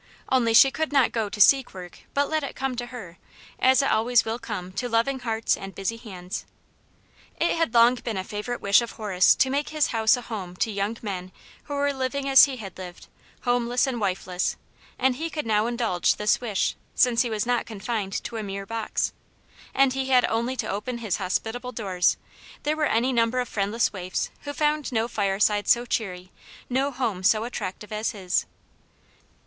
Only she could not go to seek work, but let it come to her, as It always will come to loving hearts and busy hands. It had long been a favourite wish of Horace to make his house a home to young men who were living as he had lived, homeless and wifeless, and he could now indulge this wish, since he was not confined to a mere box. And he had only to open his hospitable doors : there were any number of friendless waifs who found no fireside so cheery, no home so attractive as his.